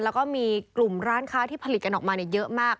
แล้วก็มีกลุ่มร้านค้าที่ผลิตกันออกมาเยอะมาก